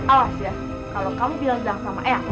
alas ya kalau kamu bilang jangan sama eang